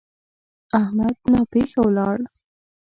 احمد ناپېښه ولاړ.